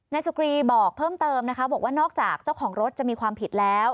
สุกรีบอกเพิ่มเติมนะคะบอกว่านอกจากเจ้าของรถจะมีความผิดแล้ว